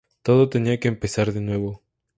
Todo tenía que empezar de nuevo.